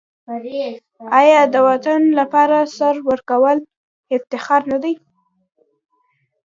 آیا د وطن لپاره سر ورکول افتخار نه دی؟